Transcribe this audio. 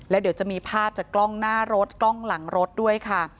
แล้วเดี๋ยวจะมีภาพจากกล้องหน้ารถกล้องหลังรถด้วยค่ะ